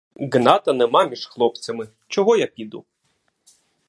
Гната нема між хлопцями — чого я піду.